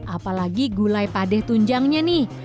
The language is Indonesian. apalagi gulai padeh tunjangnya nih